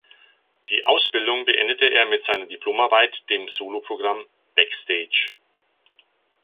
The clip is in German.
Die Ausbildung beendete er mit seiner Diplomarbeit, dem Solo-Programm "Beck-Stage".